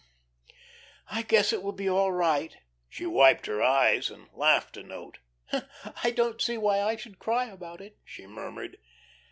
Oh, I guess it will be all right." She wiped her eyes, and laughed a note. "I don't see why I should cry about it," she murmured.